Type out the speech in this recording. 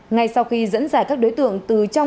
ngay sau khi dẫn dải các đối tượng từ trong